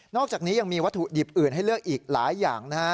อกจากนี้ยังมีวัตถุดิบอื่นให้เลือกอีกหลายอย่างนะฮะ